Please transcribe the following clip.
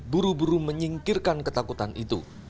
buru buru menyingkirkan ketakutan itu